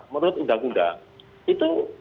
menurut undang undang itu